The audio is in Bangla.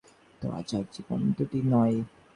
ধরা যাক, জীবন দুটি নয়।